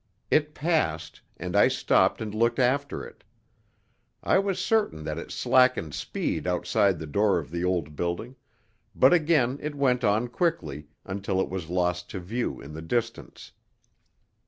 It passed, and I stopped and looked after it. I was certain that it slackened speed outside the door of the old building, but again it went on quickly, until it was lost to view in the distance.